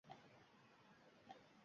Dangasaligingizni tan oldingizmi